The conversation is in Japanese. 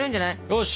よし！